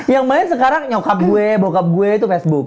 yang main sekarang nyokap gue bokap gue itu facebook